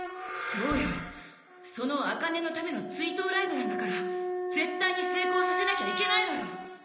そうよその朱音のための追悼ライブなんだから絶対に成功させなきゃいけないのよ！